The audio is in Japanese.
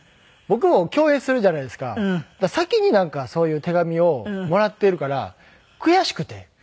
先になんかそういう手紙をもらっているから悔しくて。